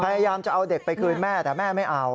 พยายามจะเอาเด็กไปคืนแม่แต่แม่ไม่เอา